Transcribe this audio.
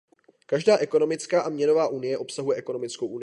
Každá ekonomická a měnová unie obsahuje ekonomickou unii.